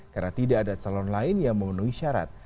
karena tidak ada salon lain yang memenuhi syarat